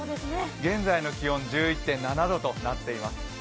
現在の気温１１．７度となっています。